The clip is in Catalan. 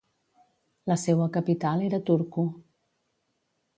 La seua capital era Turku.